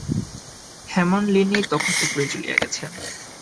হেমনলিনী তখন উপরে চলিয়া গেছে।